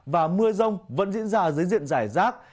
và mưa rông vẫn diễn ra dưới diện giải rác